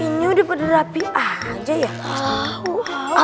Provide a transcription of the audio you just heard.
ini udah berarti aja ya